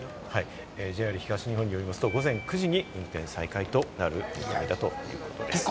ＪＲ東日本によりますと午前９時に運転再開となる見込みだということです。